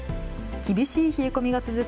厳しい冷え込みが続く